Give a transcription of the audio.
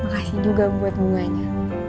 makasih juga buat buahnya